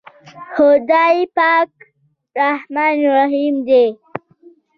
خداے پاک رحمان رحيم دے۔